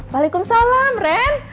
walaikum salam ren